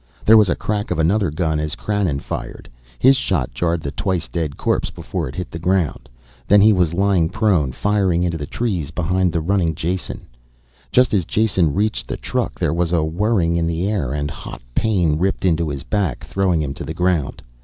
There was the crack of another gun as Krannon fired, his shot jarred the twice dead corpse before it hit the ground. Then he was lying prone, firing into the trees behind the running Jason. Just as Jason reached the truck there was a whirring in the air and hot pain ripped into his back, throwing him to the ground.